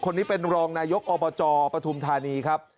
คนนี้เป็นรองนายกอบจปฐุมธานีครับ